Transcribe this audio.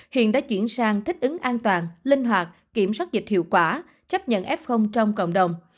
hiện đã chuyển sang thích ứng an toàn linh hoạt kiểm soát dịch hiệu quả chấp nhận f trong cộng đồng